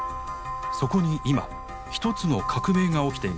そこに今一つの革命が起きています。